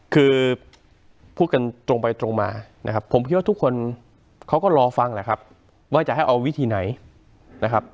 คือพูดกันตรงไปตรงมานะครับผมคิดว่าทุกคนเขาก็รอฟังแหละครับว่าจะให้เอาวิธีไหนนะครับ